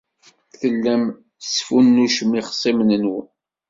Tellam tesfunnucem ixṣimen-nwen.